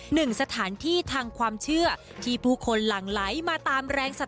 หนึ่งสถานที่ทางความเชื่อที่ผู้คนหลั่งไหลมาตามแรงศรั